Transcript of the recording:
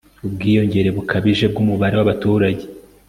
ubwiyongere bukabije bw'umubare w'abaturage